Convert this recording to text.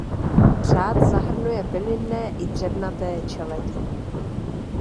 Řád zahrnuje bylinné i dřevnaté čeledi.